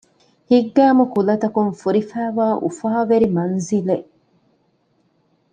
ހިތްގައިމު ކުލަތަކުން ފުރިފައިވާ އުފާވެރި މަންޒިލެއް